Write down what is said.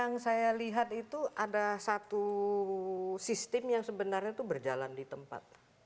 yang saya lihat itu ada satu sistem yang sebenarnya itu berjalan di tempat